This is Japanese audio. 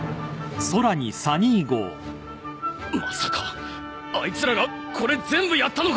まさかアイツらがこれ全部やったのか？